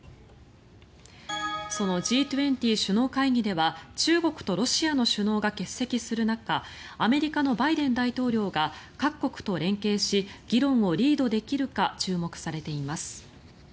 そのＧ２０首脳会議では中国とロシアの首脳が欠席する中アメリカのバイデン大統領が各国と連携し議論をリードできるか注目されています。